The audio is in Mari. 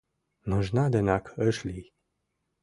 Нужна денак ыш лий...